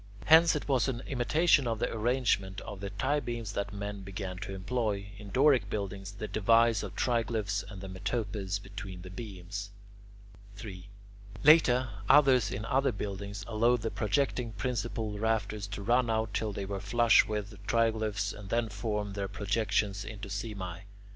Hence it was in imitation of the arrangement of the tie beams that men began to employ, in Doric buildings, the device of triglyphs and the metopes between the beams. 3. Later, others in other buildings allowed the projecting principal rafters to run out till they were flush with the triglyphs, and then formed their projections into simae.